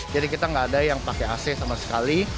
jadi kita nggak ada yang pakai ac sama sekali